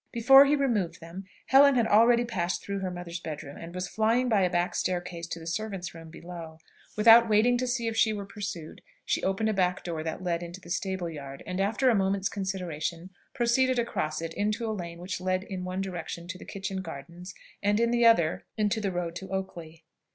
Before he removed them, Helen had already passed through her mother's bed room, and was flying by a back staircase to the servants' room below. Without waiting to see if she were pursued, she opened a back door that led into the stable yard, and, after a moment's consideration, proceeded across it, into a lane which led in one direction to the kitchen gardens, and in the other into the road to Oakley.